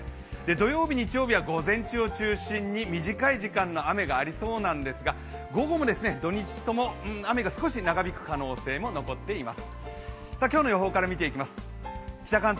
土曜日、日曜日は午前中を中心に短い時間の雨がありそうなんですが午後も土日とも雨が少し長引く可能性も残っています。